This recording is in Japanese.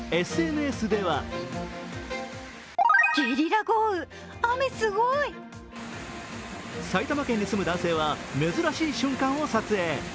ＳＮＳでは埼玉県に住む男性は珍しい瞬間を撮影。